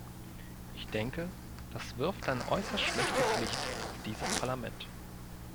Ich denke, das wirft ein äußerst schlechtes Licht auf dieses Parlament.